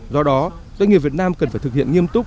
do đó doanh nghiệp việt nam cần phải thực hiện nghiêm túc